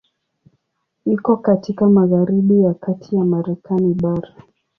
Iko katika magharibi ya kati ya Marekani bara.